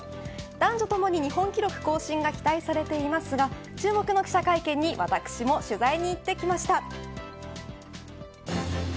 男女ともに、日本記録更新が期待されていますが注目の記者会見に私も取材に行ってきました。